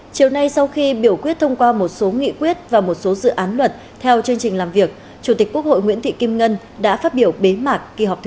chiều nay sau khi biểu quyết thông qua một số nghị quyết và một số dự án luật theo chương trình làm việc chủ tịch quốc hội nguyễn thị kim ngân đã phát biểu bế mạc kỳ họp thứ sáu